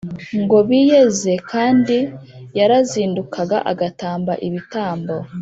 ngo biyeze c Kandi yarazindukaga agatamba ibitambo